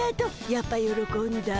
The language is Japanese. やっぱよろこんだ。